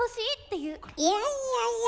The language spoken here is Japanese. いやいやいや！